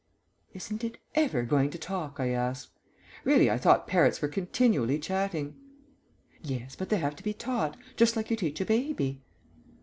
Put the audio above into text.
"Isn't it ever going to talk?" I asked. "Really, I thought parrots were continually chatting." "Yes, but they have to be taught just like you teach a baby."